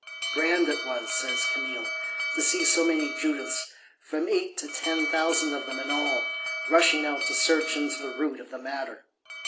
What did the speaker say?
Grand it was, says Camille, to see so many Judiths, from eight to ten thousand of them in all, rushing out to search into the root of the matter!